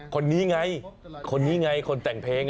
คนนี้ไงคนนี้ไงคนแต่งเพลง